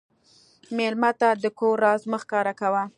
مېلمه ته د کور راز مه ښکاره کوه.